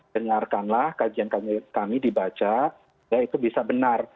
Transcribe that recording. dengarkanlah kajian kami dibaca ya itu bisa benar